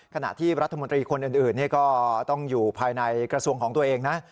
ขณะที่รัฐมนตรีคนอื่นก็ต้องอยู่ภายในกระทรวงของตัวเองนะ